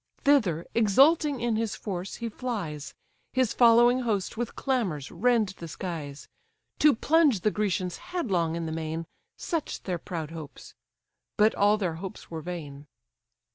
Thither, exulting in his force, he flies: His following host with clamours rend the skies: To plunge the Grecians headlong in the main, Such their proud hopes; but all their hopes were vain!